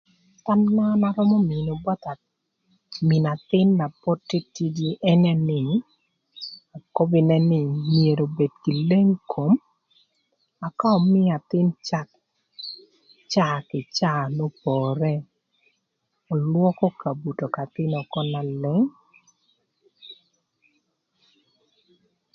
Thama na an arömö mïö na papath pï mïn athïn na pod tïtïdï ënë nï akob nïnë nï myero obed kï leng kom ëka ömïï athïn cak ï caa kï caa n'opore, ölwökö kabuto k'athïn ökö na leng.